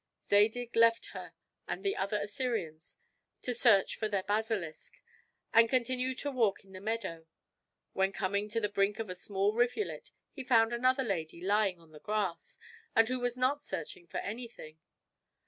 Zadig left her and the other Assyrians to search for their basilisk, and continued to walk in the meadow; when coming to the brink of a small rivulet, he found another lady lying on the grass, and who was not searching for anything.